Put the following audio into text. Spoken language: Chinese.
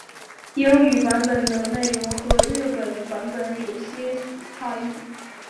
英语版本的内容和日语版本有些许差异。